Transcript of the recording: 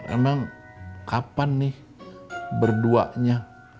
emang kapan nih berduanya